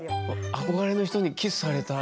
憧れの人にキスされた。